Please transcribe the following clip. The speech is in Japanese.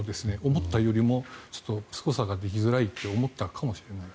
思っていたよりも操作ができづらいと思ったかもしれない。